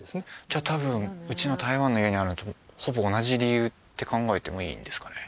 じゃあ多分うちの台湾の家にあるのとほぼ同じ理由って考えてもいいんですかね？